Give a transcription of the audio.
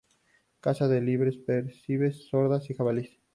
Caza de liebres, perdices, sordas y jabalíes.